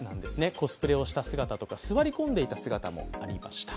コスプレをした姿とか、座り込んでいた姿もありました。